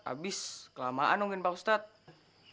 habis kelamaan mungkin pak ustadz